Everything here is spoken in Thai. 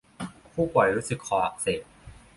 ผู้ป่วยรู้สึกคออักเสบ